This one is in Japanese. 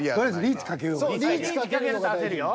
リーチかけると焦るよ。